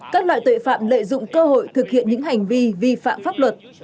các loại tội phạm lợi dụng cơ hội thực hiện những hành vi vi phạm pháp luật